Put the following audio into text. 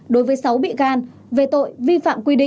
đối với sáu bị can về tội vi phạm quy định